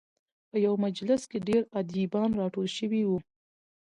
په یوه مجلس کې ډېر ادیبان راټول شوي وو.